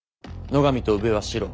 野上と宇部はシロ。